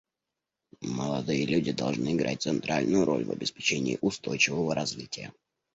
Молодые люди должны играть центральную роль в обеспечении устойчивого развития.